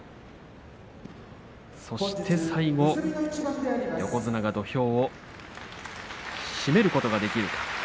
そして最後、横綱が土俵を締めることができるか。